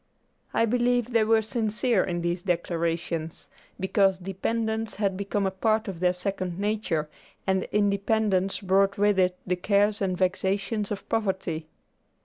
I believe they were sincere in these declarations, because dependence had become a part of their second nature, and independence brought with it the cares and vexations of poverty.